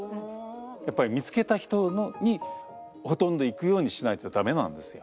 やっぱり見つけた人にほとんど行くようにしないと駄目なんですよ。